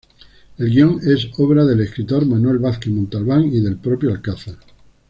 El guión es obra del escritor Manuel Vázquez Montalbán y del propio Alcázar.